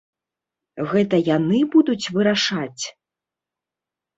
Гэта яны будуць вырашаць?